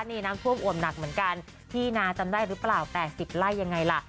นี่น้ำท่วมอวมหนักเหมือนกันที่นาจำได้หรือเปล่า๘๐ไร่ยังไงล่ะ